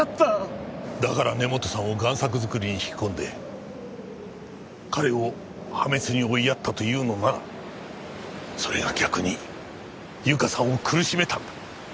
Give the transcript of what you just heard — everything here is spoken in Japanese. だから根本さんを贋作作りに引き込んで彼を破滅に追いやったというのならそれが逆にゆかさんを苦しめたんだ。